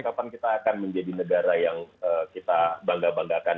kapan kita akan menjadi negara yang kita bangga banggakan